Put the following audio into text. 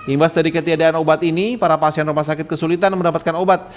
imbas dari ketiadaan obat ini para pasien rumah sakit kesulitan mendapatkan obat